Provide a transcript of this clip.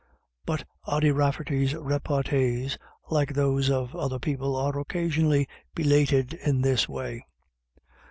But Ody Rafferty's repartees, like those of other people, are occasionally belated in this way.